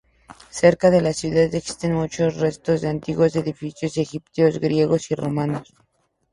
Cerca de la ciudad existen muchos restos de antiguos edificios egipcios, griegos y romanos.